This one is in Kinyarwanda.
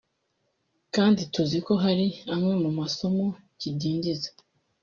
kandi tuzi ko hari amwe mu masomo kidindiza